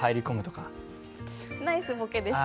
ナイスボケでした。